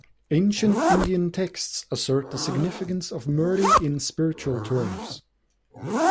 Ancient Indian texts assert the significance of "Murti" in spiritual terms.